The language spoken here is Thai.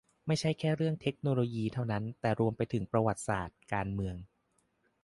ไม่ใช่แค่เรื่องเทคโนโลยีเท่านั้น แต่รวมไปถึงประวัติศาสตร์ การเมือง